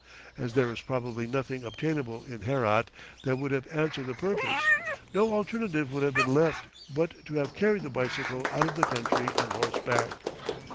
As there is probably nothing obtainable in Herat that would have answered the purpose, no alternative would have been left but to have carried the bicycle out of the country on horseback.